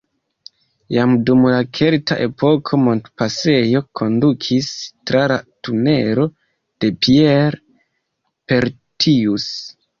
Jam dum la kelta epoko montpasejo kondukis tra la tunelo de Pierre-Pertius.